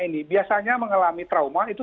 ini biasanya mengalami trauma itu